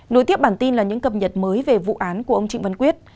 nối tiếp bản tin là những cập nhật mới về vụ án của ông trịnh văn quyết